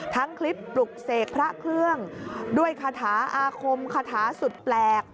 ทั้งคลิปปลุกเสกพระเครื่องด้วยคาถาอาคมคาถาสุดแปลก